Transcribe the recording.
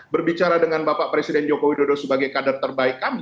berbicara dengan bapak presiden joko widodo sebagai kader terbaik kami